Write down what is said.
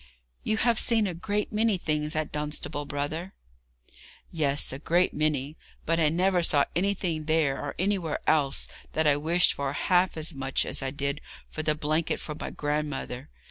'You have seen a great many things at Dunstable, brother.' 'Yes, a great many; but I never saw anything there or anywhere else that I wished for half so much as I did for the blanket for my grandmother.